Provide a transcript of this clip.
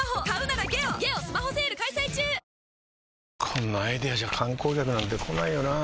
こんなアイデアじゃ観光客なんて来ないよなあ